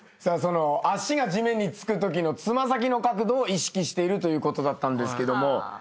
その足が地面につくときのつま先の角度を意識してるということだったんですけども。